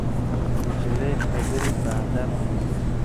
نجلۍ خبرې په ادب کوي.